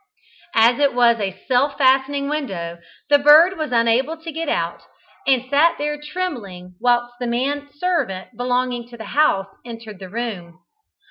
As it was a self fastening window, the bird was unable to get out, and sat there trembling whilst the man servant belonging to the house entered the room.